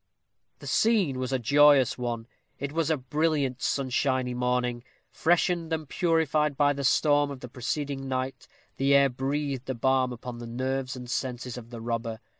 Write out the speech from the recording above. The scene was a joyous one. It was a brilliant sunshiny morning. Freshened and purified by the storm of the preceding night, the air breathed a balm upon the nerves and senses of the robber.